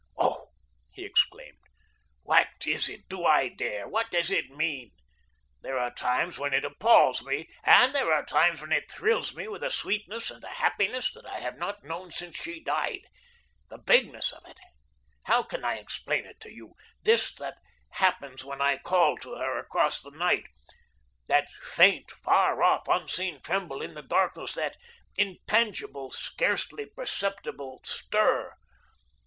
"Oh," he exclaimed, "what is it? Do I dare? What does it mean? There are times when it appals me and there are times when it thrills me with a sweetness and a happiness that I have not known since she died. The vagueness of it! How can I explain it to you, this that happens when I call to her across the night that faint, far off, unseen tremble in the darkness, that intangible, scarcely perceptible stir.